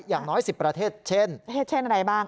อย่างน้อยสิบประเทศเช่นเช่นอะไรบ้าง